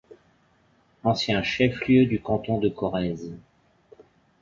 Ancien chef-lieu du canton de Corrèze.